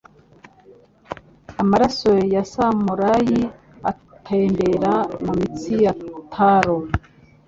Amaraso ya samurai atembera mumitsi ya Taro.